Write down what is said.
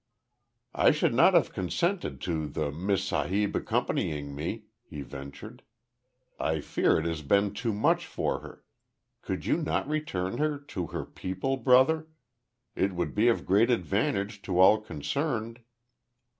"I should not have consented to the Miss Sahib accompanying me," he ventured. "I fear it has been too much for her. Could you not return her to her people, brother? It would be of great advantage to all concerned?"